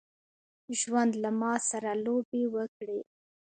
ژوند له ماسره لوبي وکړي.